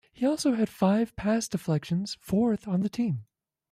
He also had five pass deflections, fourth on the team.